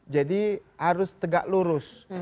jadi harus tegak lurus